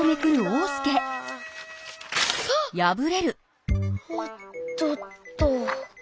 おっとっと。